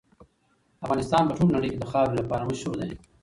افغانستان په ټوله نړۍ کې د خاورې لپاره مشهور دی.